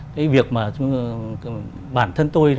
cái việc mà bản thân tôi